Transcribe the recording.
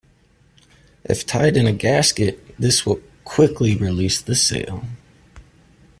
If tied in a gasket, this will quickly release the sail.